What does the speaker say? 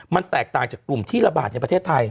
มันแตกต่างจากกลุ่มที่ระบาดในประเทศไทย